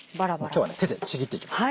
今日は手でちぎっていきます。